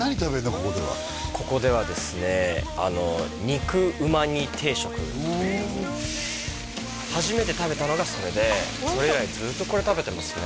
ここではここではですね肉うま煮定食っていう初めて食べたのがそれでそれ以来ずっとこれ食べてますね